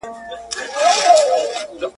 د وروستي عدالت کور د هغه ځای دئ.